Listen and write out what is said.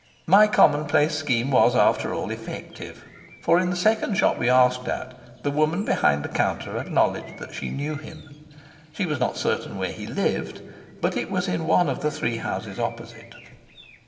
My commonplace scheme was, after all, effective, for in the second shop we asked at the woman behind the counter acknowledged that she knew him. She was not certain where he lived, but it was in one of the three houses opposite.